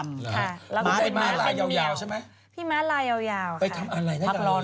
ค่ะแล้วก็เป็นมาตรายาวยาวใช่ไหมพี่มาตรายาวยาวค่ะไปทำอะไรได้กันเลยพักร้อนพักร้อน